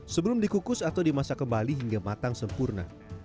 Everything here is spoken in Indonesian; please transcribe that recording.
sebelum dikukus atau dimasak kembali hingga matang sempurna